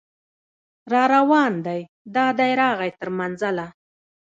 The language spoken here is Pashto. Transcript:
راروان دی دا دی راغی تر منزله